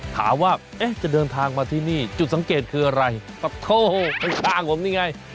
ถามว่าจะเดินทางมาที่นี่จุดสังเกตคืออะไรกับโทข้างผมนี่ไง